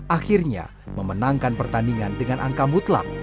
akhirnya memenangkan pertandingan dengan angka mutlak